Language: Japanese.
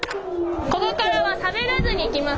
ここからはしゃべらずに行きますよ。